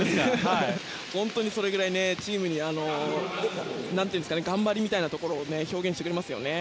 本当にそれくらいチームに頑張りみたいなところを表現してくれますよね。